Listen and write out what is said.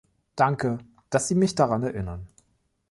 Danke, dass Sie mich daran erinnern.